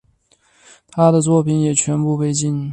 他的作品也全部被禁。